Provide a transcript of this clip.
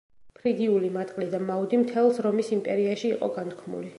ფრიგიული მატყლი და მაუდი მთელს რომის იმპერიაში იყო განთქმული.